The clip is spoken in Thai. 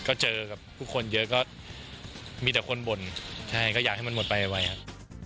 ก็เจอกับผู้คนเยอะก็มีแต่คนบ่นใช่ก็อยากให้มันหมดไปไวครับ